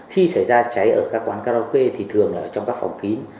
khi xảy ra cháy ở các quán karaoke thì thường là trong các phòng kín